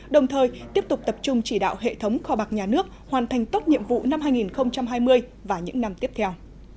đồng thời tiếp tục tập trung chỉ đạo hệ thống kho bạc nhà nước hoàn thành tốt nhiệm vụ năm hai nghìn hai mươi và những năm tiếp theo